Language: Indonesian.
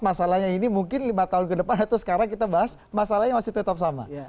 masalahnya ini mungkin lima tahun ke depan atau sekarang kita bahas masalahnya masih tetap sama